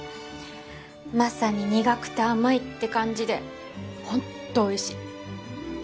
まさに苦くて甘いって感じで本当おいしい！